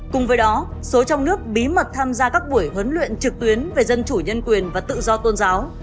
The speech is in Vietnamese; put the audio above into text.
cùng với đó số trong nước bí mật tham gia các buổi huấn luyện trực tuyến về dân chủ nhân quyền và tự do tôn giáo